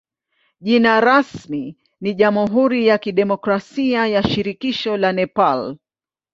Jina rasmi ni jamhuri ya kidemokrasia ya shirikisho la Nepal.